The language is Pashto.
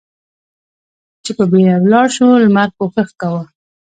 چې په بېړه ولاړ شو، لمر کوښښ کاوه.